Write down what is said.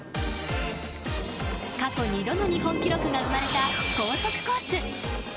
過去２度の日本記録が生まれたコース。